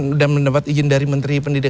sudah mendapat izin dari menteri pendidikan